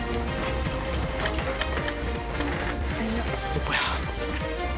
どこや？